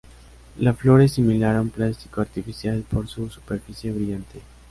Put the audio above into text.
La flor es similar a un plástico artificial por su superficie brillante.